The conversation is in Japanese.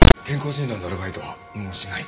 健康診断のアルバイトはもうしない。